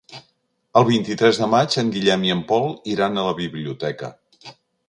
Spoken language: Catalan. El vint-i-tres de maig en Guillem i en Pol iran a la biblioteca.